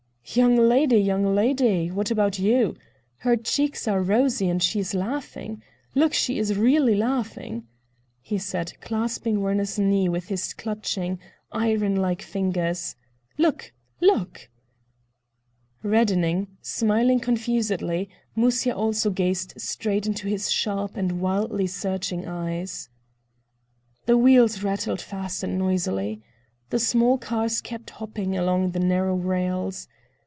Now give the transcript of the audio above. "Young lady, young lady! What about you? Her cheeks are rosy and she is laughing. Look, she is really laughing," he said, clasping Werner's knee with his clutching, iron like fingers. "Look, look!" Reddening, smiling confusedly, Musya also gazed straight into his sharp and wildly searching eyes. The wheels rattled fast and noisily. The small cars kept hopping along the narrow rails.